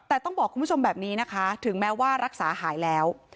แต่ต้องบอกคุณผู้ชมแบบนี้นะคะถึงแม้ว่ารักษาหายแล้ว